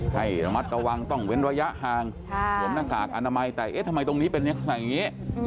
ให้ระมัดระวังต้องเว้นระยะห่างสวมหน้ากากอนามัยแต่เอ๊ะทำไมตรงนี้เป็นลักษณะอย่างนี้